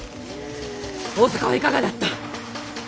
大坂はいかがであった。